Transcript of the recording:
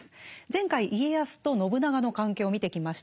前回家康と信長の関係を見てきました。